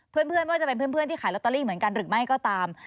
เพื่อนไม่ว่าจะเป็นเพื่อนที่ขายลอตเตอรี่เหมือนกันหรือไม่ก็ตาม